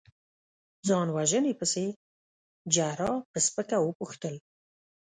ځان وژنې پسې؟ جراح په سپکه وپوښتل.